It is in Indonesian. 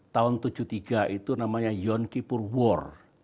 tahun seribu sembilan ratus tujuh puluh tiga itu namanya yonkeypor war